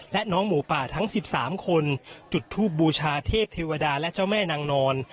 และน้องหมูป่าทั้ง๑๓คนจุดทูบบูชาเทพเทวดาและเจ้าแม่นางนอน